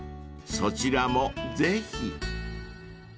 ［そちらもぜひ］